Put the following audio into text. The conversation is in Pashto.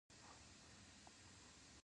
خپل تولیدات وکاروئ